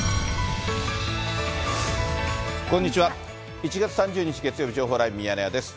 １月３０日月曜日、情報ライブミヤネ屋です。